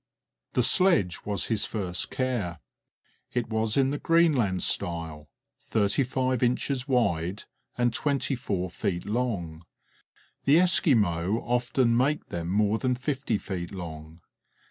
The sledge was his first care; it was in the Greenland style, thirty five inches wide and twenty four feet long. The Esquimaux often make them more than fifty feet long.